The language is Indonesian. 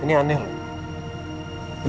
ini aneh loh